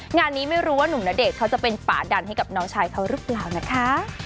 งานนี้ไม่รู้ว่านุ่มณเดชน์เขาจะเป็นฝาดันให้กับน้องชายเขาหรือเปล่านะคะ